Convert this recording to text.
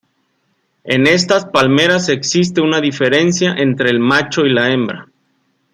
En estas palmeras existe una diferencia entre el macho y la hembra.